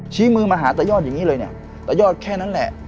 ชี้มือมาหาตายอดอย่างนี้เลยเนี่ยตายอดแค่นั้นแหละ